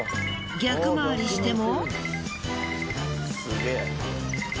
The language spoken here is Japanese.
逆回りをしても。